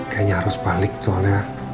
kayaknya harus balik soalnya